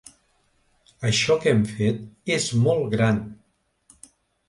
Això que hem fet és molt gran.